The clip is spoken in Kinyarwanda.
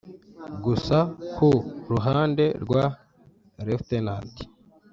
Gusa ku ruhande rwa Lt